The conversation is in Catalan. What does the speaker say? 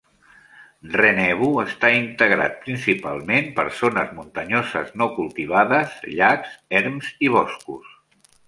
Rennebu està integrat principalment per zones muntanyoses no cultivades, llacs, erms i boscos.